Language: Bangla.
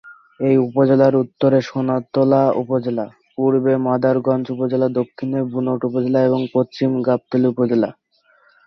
এ উপজেলার উত্তরে সোনাতলা উপজেলা, পূর্বে মাদারগঞ্জ উপজেলা, দক্ষিণে ধুনট উপজেলা এবং পশ্চিমে গাবতলী উপজেলা।